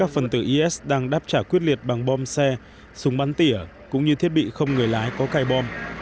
phần tử is đang đáp trả quyết liệt bằng bom xe súng bắn tỉa cũng như thiết bị không người lái có cai bom